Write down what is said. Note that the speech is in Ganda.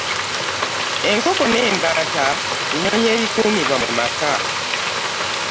Enkoko n'embaata binyonyi ebikuumibwa mu maka.